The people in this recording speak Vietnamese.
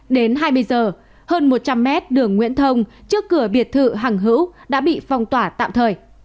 đến hai mươi giờ hơn một trăm linh mét đường nguyễn thông trước cửa biệt thự hằng hữu đã bị phong tỏa tạm thời